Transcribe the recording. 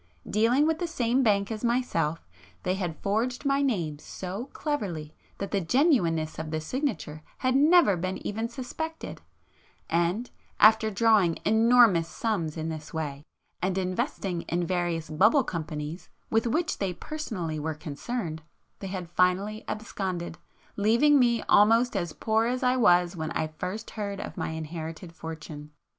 Dealing with the same bank as myself, they had forged my name so cleverly that the genuineness of the signature had never been even suspected,—and, after drawing enormous sums in this way, and investing in various 'bubble' companies with which they personally were concerned, they had finally absconded, leaving me almost as poor as I was when I first heard of my inherited fortune.